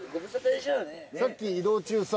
さっき移動中さ。